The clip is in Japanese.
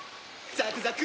ザクザク！